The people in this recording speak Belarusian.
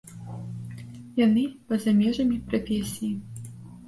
Яны па-за межамі прафесіі.